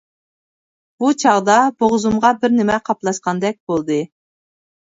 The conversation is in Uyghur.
بۇ چاغدا بوغۇزۇمغا بىرنېمە قاپلاشقاندەك بولدى.